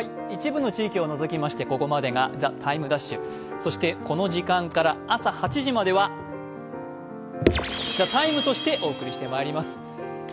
一部の地域を除きましてここまでが「ＴＩＭＥ’」、そしてこの時間から朝８時までは「ＴＨＥＴＩＭＥ，」としてお送りしてまいります。